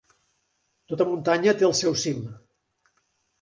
Tota muntanya té el seu cim.